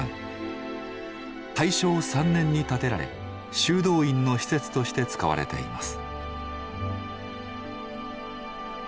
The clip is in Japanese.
大正３年に建てられ修道院の施設として使われています。